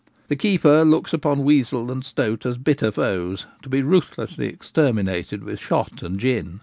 The keeper looks upon weasel and stoat as bitter foes, to be ruthlessly exterminated with shot and gin.